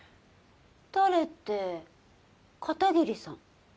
誰って片桐さん。